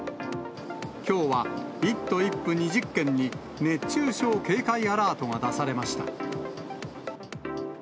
きょうは１都１府２０県に熱中症警戒アラートが出されました。